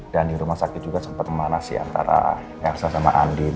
dan di rumah sakit juga sempat memanas sih antara elsa sama andin